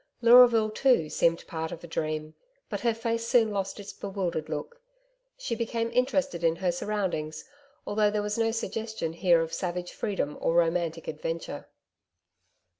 Leuraville too seemed part of a dream. But her face soon lost its bewildered look. She became interested in her surroundings, although there was no suggestion here of savage freedom or romantic adventure.